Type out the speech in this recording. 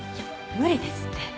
無理ですって。